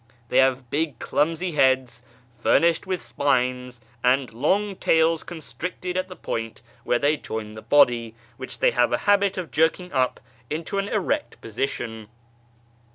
They have big clumsy heads furnished with spines, and long tails constricted at the point where they join the body, which they have a habit of jerking up into an erect position.